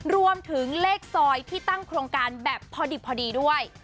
รวมถึงเลขซอยที่ตั้งโครงการแบบพอดิบพอดีด้วย